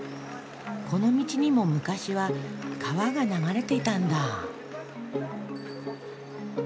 この道にも昔は川が流れていたんだ。